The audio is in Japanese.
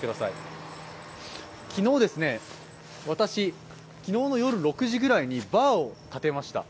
私、昨日の夜６時ぐらいにバーを立てました。